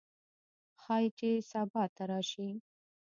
ښايي چې سبا ته راشي